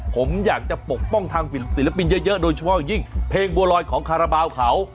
ผมอยากจะปกป้องทางศิลปินเยอะโดยเฉพาะอย่างยิ่งเพลงบัวลอยของคาราบาลเขา